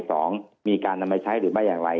สองมีการนำไปใช้หรือไม่อย่างไร